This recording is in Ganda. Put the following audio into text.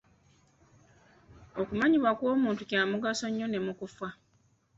Okumanyibwa kw'omuntu kya mugaso nnyo ne mu kufa.